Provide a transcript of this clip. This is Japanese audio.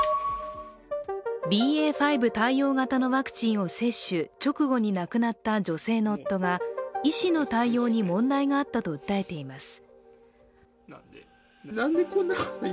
ＢＡ．５対応型のワクチンを接種直後に亡くなった女性の夫が、医師の対応に問題があったと訴えています。